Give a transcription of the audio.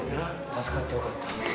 助かってよかった。